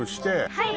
はい。